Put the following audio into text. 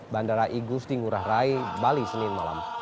bandara igusti ngurah rai bali senin malam